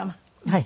はい。